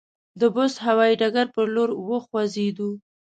د بُست هوایي ډګر پر لور وخوځېدو.